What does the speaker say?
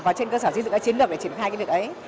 và trên cơ sở di dựng chiến lược để triển khai cái lực ấy